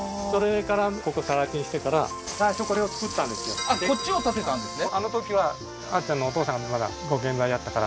ああーあっこっちを建てたんですね？